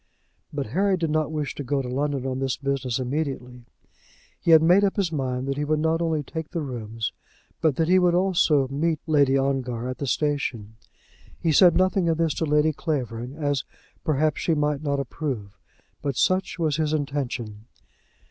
But Henry did not wish to go to London on this business immediately. He had made up his mind that he would not only take the rooms, but that he would also meet Lady Ongar at the station. He said nothing of this to Lady Clavering, as, perhaps, she might not approve; but such was his intention.